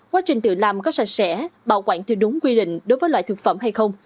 quá trình tự làm có sạch sẽ bảo quản theo đúng quy định đối với loại thực phẩm hay không